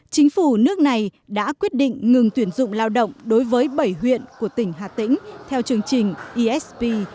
chính phủ nước này đã quyết định ngừng tuyển dụng lao động đối với bảy huyện của tỉnh hà tĩnh theo chương trình esp